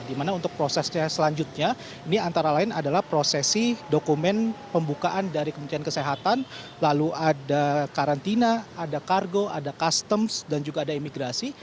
di mana untuk prosesnya selanjutnya ini antara lain adalah prosesi dokumen pembukaan dari kementerian kesehatan lalu ada karantina ada kargo ada customs dan juga ada imigrasi